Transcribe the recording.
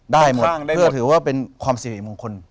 ได้หมดเพื่อถือว่าเป็นความสิริมงคล